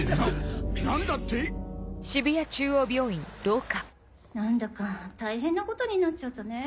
何だって⁉何だか大変なことになっちゃったね。